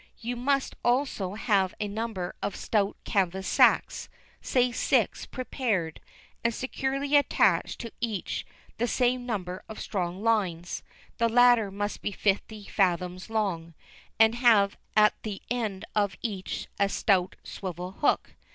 You must also have a number of stout canvas sacks, say six prepared, and securely attached to each the same number of strong lines; the latter must be fifty fathoms long, and have at the end of each a stout swivel hook.